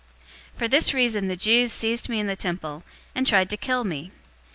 026:021 For this reason the Jews seized me in the temple, and tried to kill me.